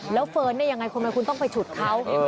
แล้วเฟิร์นเนี่ยทำไมคุณที่จะไปฉุดเขา